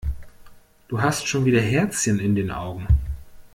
Du hast schon wieder Herzchen in den Augen.